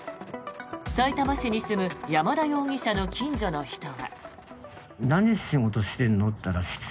さいたま市に住む山田容疑者の近所の人は。